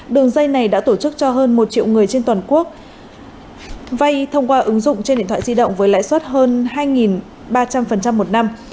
đường dây này đã tổ chức cho hơn một triệu người trên toàn quốc vay thông qua ứng dụng trên điện thoại di động với lãi suất hơn hai ba trăm linh một năm